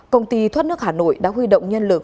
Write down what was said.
công ty thoát nước hà nội đã huy động nhân lực